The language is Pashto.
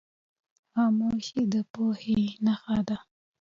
خاموشي، د پوهې نښه ده.